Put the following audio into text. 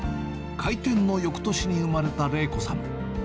開店のよくとしに生まれた礼子さん。